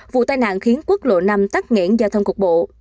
vụ tài nạn khiến quốc lộ năm tắt nghẽn giao thông cục bộ